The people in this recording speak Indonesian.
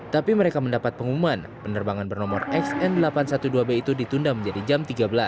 tapi mereka mendapat pengumuman penerbangan bernomor xn delapan ratus dua belas b itu ditunda menjadi jam tiga belas